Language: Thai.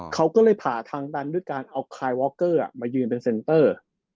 เขาก็เลยผ่าทางดันด้วยการเอาคายวอคเกอร์มายืนเป็นเซ็นเตอร์